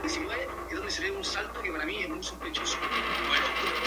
Tal Ben-Shahar es licenciado por la Universidad de Harvard en Filosofía y Psicología.